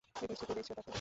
এক দৃষ্টিতে দেখছে তাঁকে।